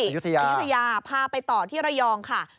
อายุทยาพาไปต่อที่ระยองค่ะ